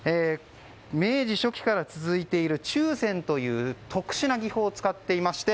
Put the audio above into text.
明治初期から続いている注染という特殊な技法を使っていまして。